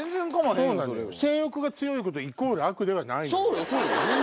性欲が強いことイコール悪ではないのよ。